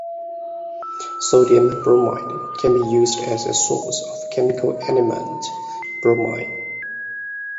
Sodium bromide can be used as a source of the chemical element bromine.